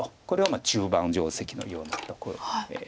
これは中盤定石のようなところ。